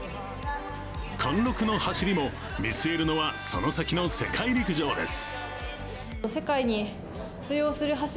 貫禄の走りも見据えるのはその先の世界陸上です。